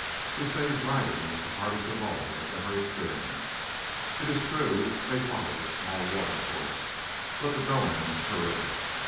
This day's riding was the hardest of all they ever had experienced. It is true they followed a small watercourse, but the going was terrific.